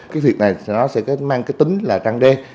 cái việc này nó sẽ mang tính là trăng đen